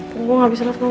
gue udah ngamarin sama dia